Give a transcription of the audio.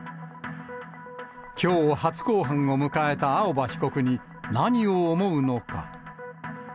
きょう、初公判を迎えた青葉被告に、何を思うのか。